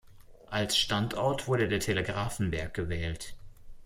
Als Standort wurde der Telegrafenberg gewählt.